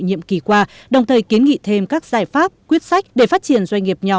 nhiệm kỳ qua đồng thời kiến nghị thêm các giải pháp quyết sách để phát triển doanh nghiệp nhỏ